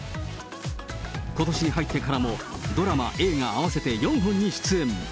ことしに入ってからもドラマ、映画合わせて４本に出演。